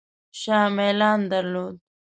شاه میلان درلود.